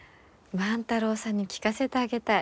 万太郎さんに聞かせてあげたい。